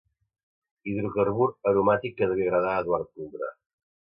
Hidrocarbur aromàtic que devia agradar Eduard Toldrà.